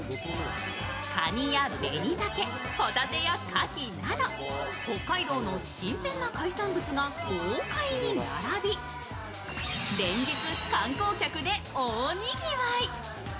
かにや紅鮭、ほたてや貝など北海道の新鮮な海産物が豪快に並び、連日観光客で大にぎわい。